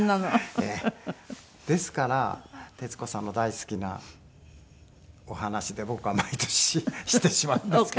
ですから徹子さんの大好きなお話で僕は毎年してしまうんですけど。